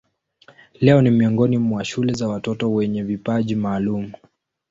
Leo ni miongoni mwa shule za watoto wenye vipaji maalumu.